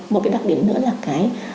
một cái đặc điểm nữa là cái